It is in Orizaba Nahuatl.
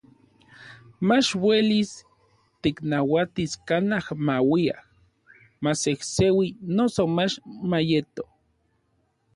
mach uelis tiknauatis kanaj mauia, masejseui noso mach mayeto.